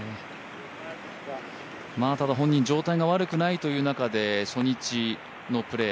ただ本人状態が悪くないという中で、初日のプレー。